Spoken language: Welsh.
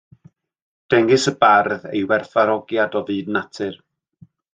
Dengys y bardd ei werthfawrogiad o fyd natur